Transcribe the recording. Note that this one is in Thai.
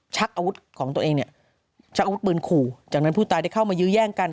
ชักอาวุธของตัวเองหน่อยเป็นคู่จากแล้วผู้ตายได้เข้ามายื้อแว่ยงกัน